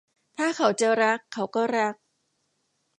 ถ้าเขาจะรัก เขาก็รัก